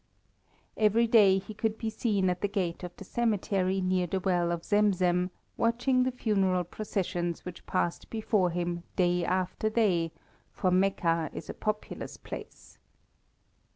Every day he could be seen at the gate of the cemetery near the well of Zemzem, watching the funeral processions which passed before him day after day, for Mecca is a populous place.